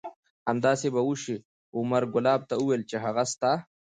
همداسې به وشي. عمر کلاب ته وویل چې هغه ستا